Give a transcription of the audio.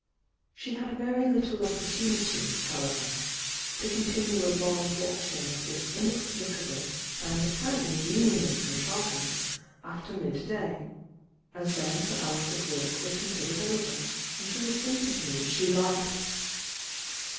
She had very little opportunity, however, to continue a long watching of this inexplicable and apparently meaningless con trivance after mid day, as then her hours of work were considered over and she was free to do as she liked.